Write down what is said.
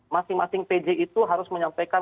masing masing pj itu harus menyampaikan